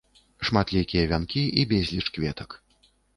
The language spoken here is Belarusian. Шматлікія вянкі і безліч кветак.